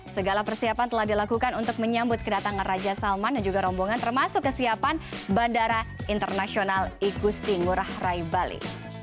segala persiapan telah dilakukan untuk menyambut kedatangan raja salman dan juga rombongan termasuk kesiapan bandara internasional igusti ngurah rai bali